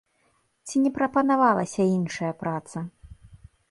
Ці не прапанавалася іншая праца?